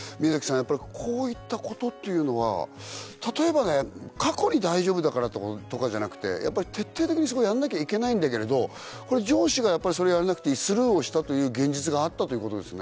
やっぱりこういったことっていうのは例えば過去に大丈夫だからとかじゃなくてやっぱり徹底的にそこはやらなきゃいけないんだけれどこれ上司がそれやらなくていいスルーをしたという現実があったということですね。